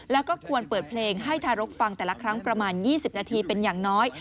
แล้วก็ควรเปิดเพลงให้ทารกฟังแต่ละครั้งประมาณ๒๐นาทีเป็นอย่างน้อย